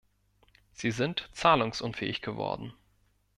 Sie sind zahlungsunfähig geworden.